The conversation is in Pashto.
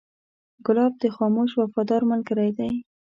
ګلاب د خاموش وفادار ملګری دی.